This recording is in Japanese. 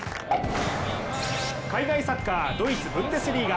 海外サッカー、ドイツ・ブンデスリーガ。